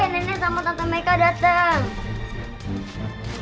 nenek sama tante meka dateng